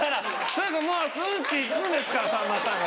すぐもうスっていくんですからさんまさんが。